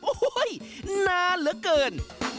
โอ้โหนานเหลือเกิน